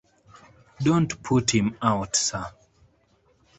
Don't put him out, sir.